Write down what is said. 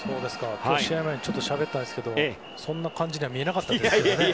試合前にちょっとしゃべったんですがそんな感じには見えなかったです。